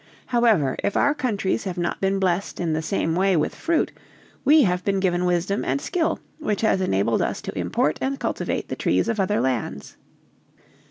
However, if our countries have not been blessed in the same way with fruit, we have been given wisdom and skill, which has enabled us to import and cultivate the trees of other lands."